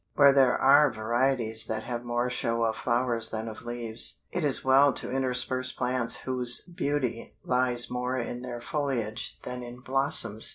Where there are varieties that have more show of flowers than of leaves, it is well to intersperse plants whose beauty lies more in their foliage than in blossoms.